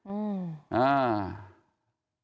อือ